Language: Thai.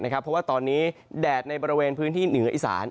เพราะว่าตอนนี้แดดในบริเวณพื้นที่เหนืออีสาน